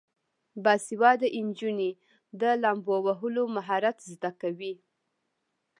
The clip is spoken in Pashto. باسواده نجونې د لامبو وهلو مهارت زده کوي.